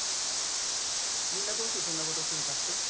みんなどうしてそんな事するかって？